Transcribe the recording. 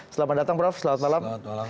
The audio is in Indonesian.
selamat datang prof selamat malam